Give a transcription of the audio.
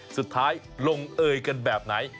สุดท้ายลงเอยกันแบบไหน